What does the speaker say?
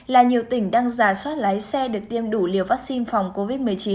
là nhiều tỉnh đang giả soát lái xe được tiêm đủ liều vaccine phòng covid một mươi chín